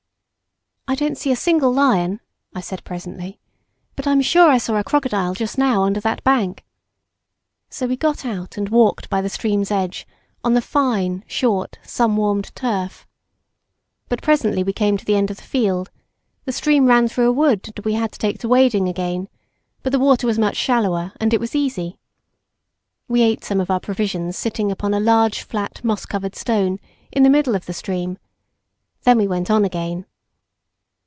"I don't see a single lion," I said presently, "but I'm sure I saw a crocodile just now under that bank." So we got out and walked by the stream's edge on the short, fine, sun warmed turf. But presently we came to the end of the field; the stream ran through a wood, and we had to take to wading again, but the water was much shallower and it was easy. We ate some of our provisions, sitting upon a large, flat, moss covered stone, in the middle of the stream. Then we went on again.